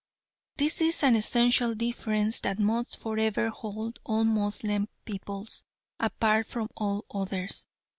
This is an essential difference that must for ever hold all Moslem peoples apart from all others.